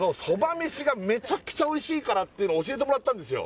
めしがめちゃくちゃおいしいからっていうのを教えてもらったんですよ